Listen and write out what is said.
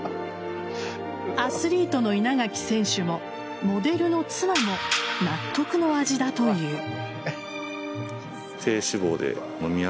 アスリートの稲垣選手もモデルの妻も納得の味だという。